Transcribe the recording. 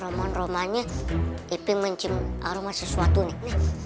romanya romanya iping mencium aroma sesuatu nih